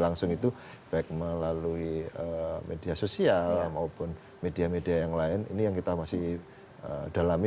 langsung itu baik melalui media sosial maupun media media yang lain ini yang kita masih dalami